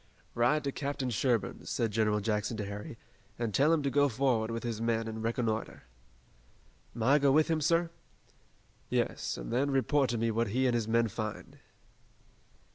"Ride to Captain Sherburne," said General Jackson to Harry, "and tell him to go forward with his men and reconnoiter." "May I go with him, sir?" "Yes, and then report to me what he and his men find."